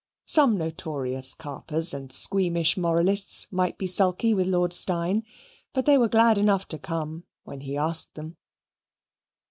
Some notorious carpers and squeamish moralists might be sulky with Lord Steyne, but they were glad enough to come when he asked them.